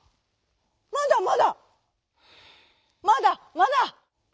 「まだまだ。まだまだ」。